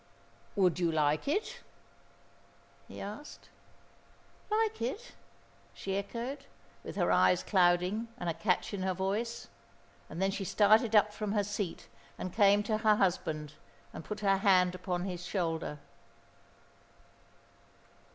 "Would you like it?" he asked. "Like it?" she echoed, with her eyes clouding, and a catch in her voice; and then she started up from her seat and came to her husband, and put her hand upon his shoulder.